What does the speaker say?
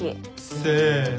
せの。